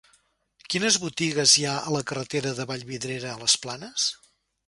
Quines botigues hi ha a la carretera de Vallvidrera a les Planes?